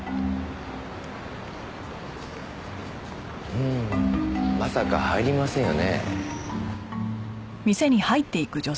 うーんまさか入りませんよね？